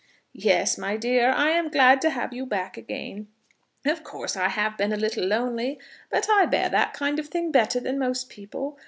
"Yes, my dear, I am glad to have you back again. Of course I have been a little lonely, but I bear that kind of thing better than most people.